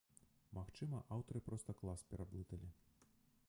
Магчыма, аўтары проста клас пераблыталі.